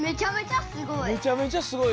めちゃめちゃすごい！